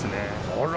あら。